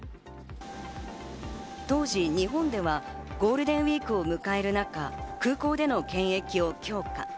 当時、日本ではゴールデンウイークを迎える中、空港での検疫を強化。